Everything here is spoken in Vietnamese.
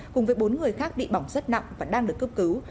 cùng với bốn người khác bị bỏng rất nặng và đang được cấp cứu